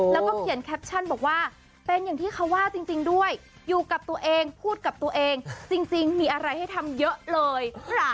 แล้วก็เขียนแคปชั่นบอกว่าเป็นอย่างที่เขาว่าจริงด้วยอยู่กับตัวเองพูดกับตัวเองจริงมีอะไรให้ทำเยอะเลย